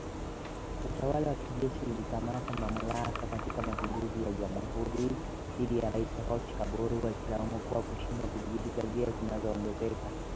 Utawala wa kijeshi ulikamata mamlaka katika mapinduzi ya Januari dhidi ya Rais Roch Kabore wakimlaumu kwa kushindwa kudhibiti ghasia zinazoongezeka .